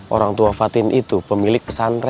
orang tua fatin itu pemilik pesantren